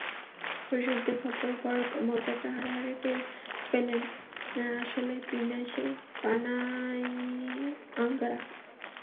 বেরসিকদের খপ্পরে পড়ার মজাটা হাড়ে হাড়ে টের পেলেন আসলে তিনাশে পানিয়াঙ্গারা।